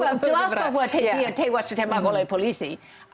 ya jelas bahwa dia tewas tertembak oleh polisi